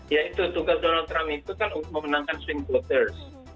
ya itu tugas donald trump itu kan memenangkan swing voters